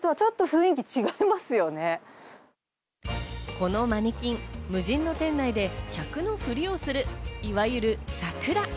このマネキン、無人の店内で客のフリをするいわゆるサクラ。